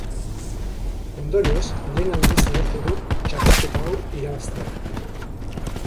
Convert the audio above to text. Ondorioz, lehen aldiz lortu du txapelketa hau irabaztea.